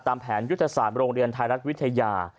แผนยุทธศาสตร์โรงเรียนไทยรัฐวิทยา